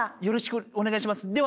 よろしくお願いします。